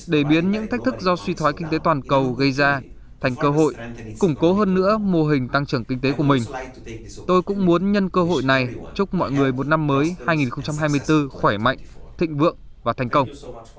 để biến những thách thức do suy thoái kinh tế toàn cầu gây ra thành cơ hội củng cố hơn nữa mô hình tăng trưởng kinh tế của mình tôi cũng muốn nhân cơ hội này chúc mọi người một năm mới hai nghìn hai mươi bốn khỏe mạnh thịnh vượng và thành công